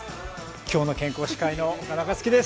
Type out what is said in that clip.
「きょうの健康」司会の岡野暁です。